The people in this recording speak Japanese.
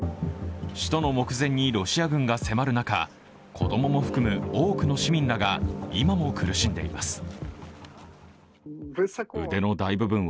首都の目前にロシア軍が迫る中、子供も含む多くの市民らが今も苦しんでいます。